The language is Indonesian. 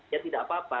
ya tidak apa apa